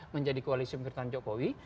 menjadi koalisi mekir tanjokowi